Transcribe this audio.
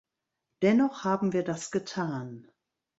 Dennoch haben wir das getan.